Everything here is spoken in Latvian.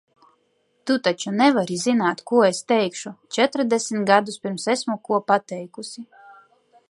Tu taču nevari zināt ko es teikšu, četrdesmit gadus pirms esmu ko pateikusi!